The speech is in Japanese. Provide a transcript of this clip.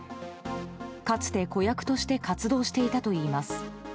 かつて子役として活動していたといいます。